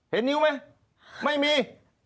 เห็นนิ้วไหมไม่มี